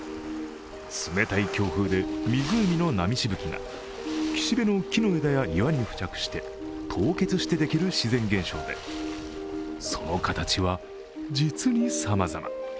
冷たい強風で湖の波しぶきが岸辺の木の枝や岩に付着して凍結してできる自然現象でその形は実にさまざま。